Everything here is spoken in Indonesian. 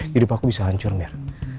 hidup aku bisa hancur mir